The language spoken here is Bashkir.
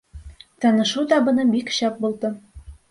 Танышыу табыны бик шәп булды.